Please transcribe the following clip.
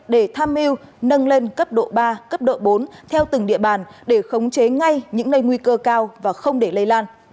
để tham mưu nâng lên cấp độ ba cấp độ bốn theo từng địa bàn để khống chế ngay những nơi nguy cơ cao và không để lây lan